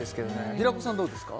平子さんどうですか？